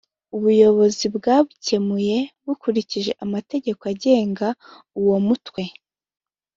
Ubuyobozi bwabikemuye bukurikije amategeko agenga uwo mutwe